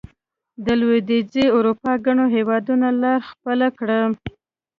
د لوېدیځې اروپا ګڼو هېوادونو لار خپله کړه.